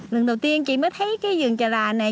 lần đầu tiên chị mới thấy cái vườn trà lạ này